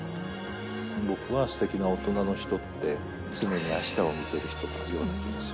僕はすてきな大人の人って、常にあしたを見ている人のような気がする。